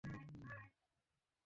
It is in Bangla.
তুমি একজন অফিসার আর একজন ভদ্রলোক।